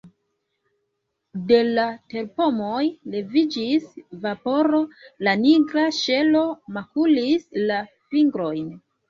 De la terpomoj leviĝis vaporo, la nigra ŝelo makulis la fingrojn.